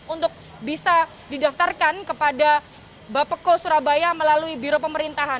untuk bisa didaftarkan kepada bapeko surabaya melalui biro pemerintahan